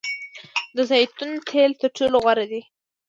د زیتون تیل تر ټولو غوره دي.